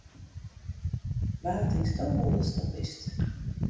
Wa tinksto wol datsto bist!